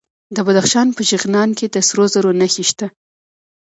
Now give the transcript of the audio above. د بدخشان په شغنان کې د سرو زرو نښې شته.